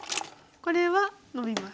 これはノビます。